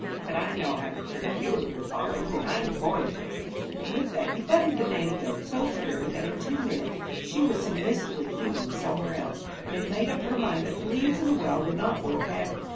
But I know how to cure you of your follies, and I'm going to.' And with that he butted the nanny goat so severely that in two minutes she was submissively feeding somewhere else, and had made up her mind that the leaves in the well were not worth having.